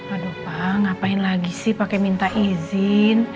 aduh pak ngapain lagi sih pakai minta izin